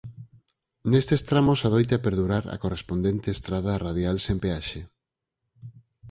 Nestes tramos adoita perdurar a correspondente estrada radial sen peaxe.